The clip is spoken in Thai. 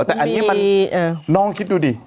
แต่อันนี้มันน้องคิดดูดิ